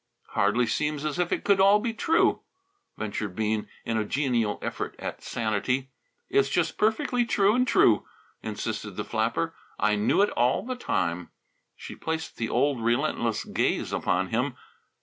"Hardly seems as if it could all be true," ventured Bean in a genial effort at sanity. "It's just perfectly true and true," insisted the flapper. "I knew it all the time." She placed the old relentless gaze upon him.